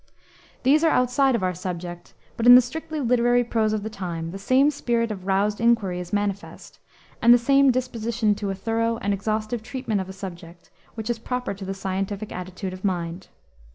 These are outside of our subject, but in the strictly literary prose of the time, the same spirit of roused inquiry is manifest, and the same disposition to a thorough and exhaustive treatment of a subject which is proper to the scientific attitude of mind.